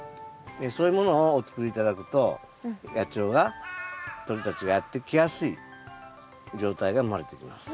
そういうものをお作り頂くと野鳥が鳥たちがやって来やすい状態が生まれてきます。